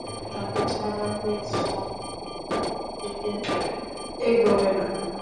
তাকে ছাড়া কেস সামনের দিকে এগোবে না।